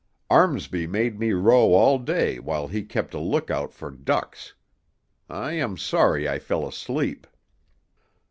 Armsby made me row all day while he kept a look out for ducks. I am sorry I fell asleep."